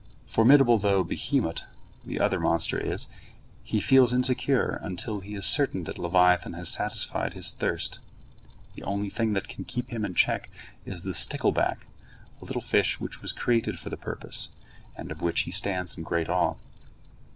Formidable though behemot, the other monster, is, he feels insecure until he is certain that leviathan has satisfied his thirst. The only thing that can keep him in check is the stickleback, a little fish which was created for the purpose, and of which he stands in great awe.